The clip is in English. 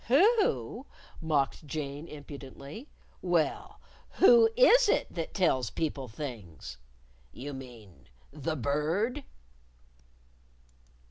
"Who?" mocked Jane, impudently. "Well, who is it that tells people things?" "You mean the _Bird?